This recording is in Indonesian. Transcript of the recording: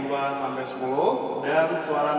untuk peserta yang terakhir kita panggil saudara muhammad ilham